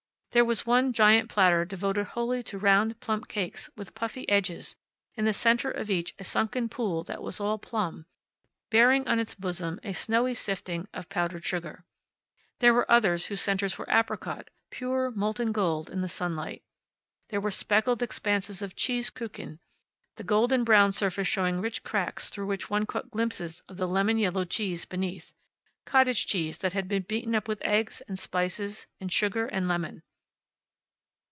There was one giant platter devoted wholly to round, plump cakes, with puffy edges, in the center of each a sunken pool that was all plum, bearing on its bosom a snowy sifting of powdered sugar. There were others whose centers were apricot, pure molten gold in the sunlight. There were speckled expanses of cheese kuchen, the golden brown surface showing rich cracks through which one caught glimpses of the lemon yellow cheese beneath cottage cheese that had been beaten up with eggs, and spices, and sugar, and lemon.